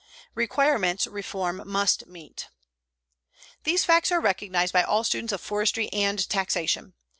REQUIREMENTS REFORM MUST MEET These facts are recognized by all students of forestry and taxation.